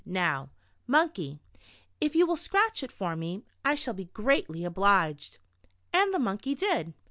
Now, Monkey, if you will scratch it for me, I shall be greatly obliged." And the Monkey did.